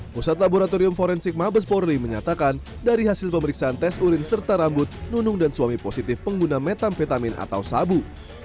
pusat laboratorium forensik mabes polri menyatakan dari hasil pemeriksaan tes urin serta rambut nunung dan suami positif pengguna metamfetamin atau sabu